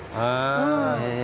へえ。